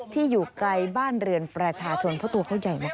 อยู่ไกลบ้านเรือนประชาชนเพราะตัวเขาใหญ่มาก